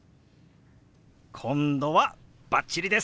今度はバッチリです！